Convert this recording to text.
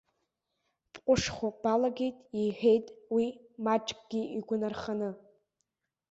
Бҟәышхо балагеит, иҳәеит уи маҷкгьы игәы нырханы.